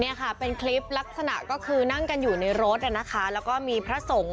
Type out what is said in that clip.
เนี่ยค่ะเป็นคลิปลักษณะก็คือนั่งกันอยู่ในรถนะคะแล้วก็มีพระสงฆ์